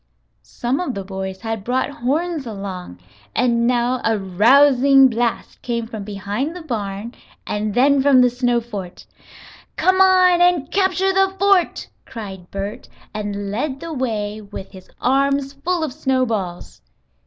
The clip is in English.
Some of the boys had brought horns along, and now a rousing blast came from behind the barn and then from the snow fort. "Come on and capture the fort!" cried Bert, and led the way, with his arms full of snowballs.